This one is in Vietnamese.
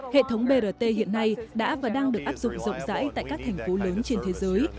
hệ thống brt hiện nay đã và đang được áp dụng rộng rãi tại các thành phố lớn trên thế giới